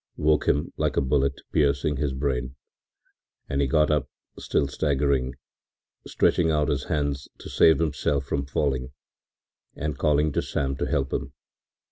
” woke him like a bullet piercing his brain, and he got up, still staggering, stretching out his hands to save himself from falling, and calling to Sam to help him.